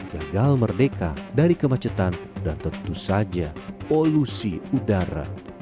gagal merdeka dari kemacetan dan tentu saja polusi udara